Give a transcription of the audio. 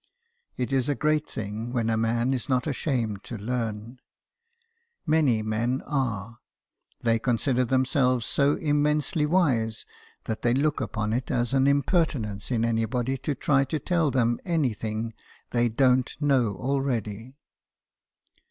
It is a great thing when a man is not ashamed to learn. Many men are ; they con sider themselves so immensely wise that they lock upon it as an impertinence in anybody to try to tell them anything they don't know already.